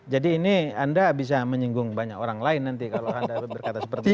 jadi ini anda bisa menyinggung banyak orang lain nanti kalau anda berkata seperti itu